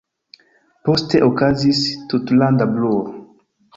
Poste okazis tutlanda bruo.